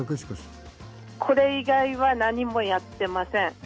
これ以外は何もやっていません。